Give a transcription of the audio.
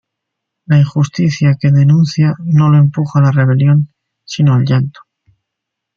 La injusticia que denuncia no lo empuja a la rebelión sino al llanto.